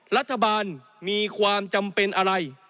รัฐบาลมีความจำเป็นอะไร